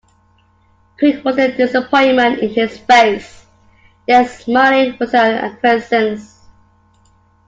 Quick was the disappointment in his face, yet smiling was the acquiescence.